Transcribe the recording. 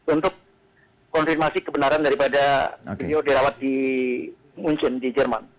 untuk konfirmasi kebenaran daripada beliau dirawat di muncin di jerman